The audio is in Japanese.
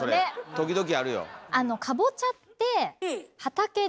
時々あるよ。